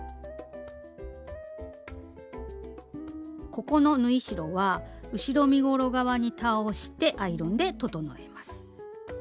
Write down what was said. ここの縫い代は後ろ身ごろ側に倒してアイロンで整えます。